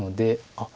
あっ。